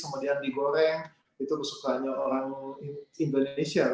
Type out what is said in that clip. kemudian digoreng itu kesukaranya orang indonesia kan